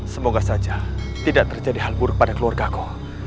semoga saja tidak terjadi hal buruk pada keluarga ko